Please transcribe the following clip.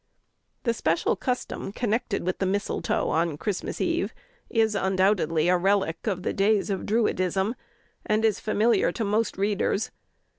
The special custom connected with the mistletoe on Christmas Eve is undoubtedly a relic of the days of Druidism, and is familiar to most readers.